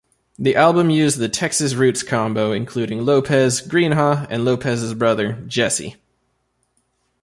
The album used the "Texas Roots Combo" including Lopez, Greenhaw, and Lopez' brother, Jesse.